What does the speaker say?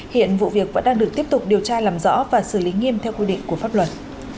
hiện vụ việc vẫn đang được tiếp tục điều tra làm rõ và xử lý nghiêm theo quy định của pháp luật